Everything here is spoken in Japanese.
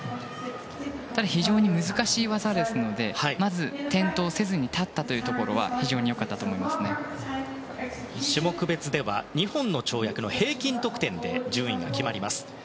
非常に難しい技ですのでまず、転倒せずに立ったところは種目別では２本の跳躍の平均得点で順位が決まります。